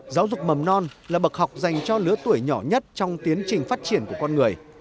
giáo dục mầm non là bậc học dành cho lứa tuổi nhỏ nhất trong tiến trình phát triển của con người